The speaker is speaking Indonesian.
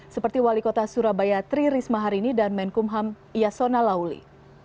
seperti wali kota surabaya tri risma harini dan menkumham yasona lauli